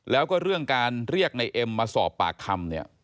แล้วก็เรื่องการเรียกในเอ็มมาสอบปากคำเนี่ย